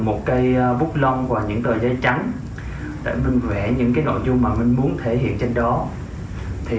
một ít bút long và những đời giấy trắng để mình vẽ những nội dung mình muốn thể hiện trên đó thì